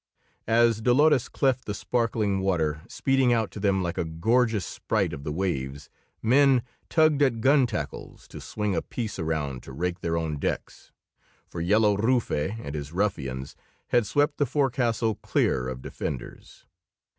As Dolores cleft the sparkling water, speeding out to them like a gorgeous sprite of the waves, men tugged at gun tackles to swing a piece around to rake their own decks, for Yellow Rufe and his ruffians had swept the forecastle clear of defenders.